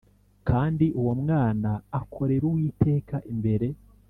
Kandi uwo mwana akorera uwiteka imbere